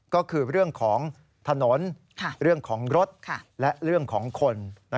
ก็คือเรื่องของถนนเรื่องของรถและเรื่องของคน